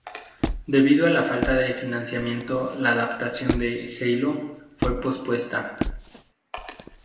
Debido a la falta de financiamiento la adaptación de "Halo" fue pospuesta.